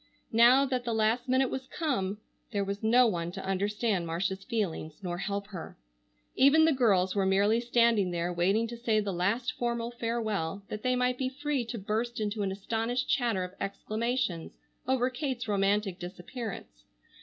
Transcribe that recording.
Now that the last minute was come, there was no one to understand Marcia's feelings nor help her. Even the girls were merely standing there waiting to say the last formal farewell that they might be free to burst into an astonished chatter of exclamations over Kate's romantic disappearance.